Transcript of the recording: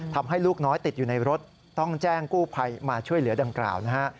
ทำให้ลูกน้อยติดอยู่ในรถต้องแจ้งกู้ภัยมาช่วยเหลือดังกล่าวนะฮะ